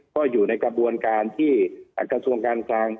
ก็อยู่ในกระบวนการที่กระทรวงการคลัง